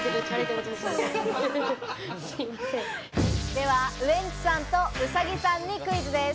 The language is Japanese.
ではウエンツさんと兎さんにクイズです。